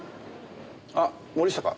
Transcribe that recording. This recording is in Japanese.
あっ森下か？